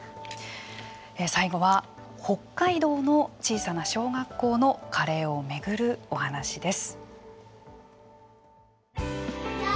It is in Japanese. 最後は北海道の小さな小学校のカレーを巡るお話です。